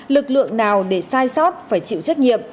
lực lượng nào để sai sót phải chịu trách nhiệm